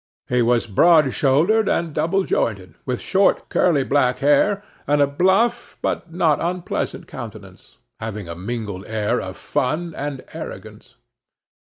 He was broad shouldered and double jointed, with short curly black hair, and a bluff but not unpleasant countenance, having a mingled air of fun and arrogance.